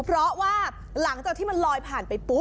เพราะว่าหลังจากที่มันลอยผ่านไปปุ๊บ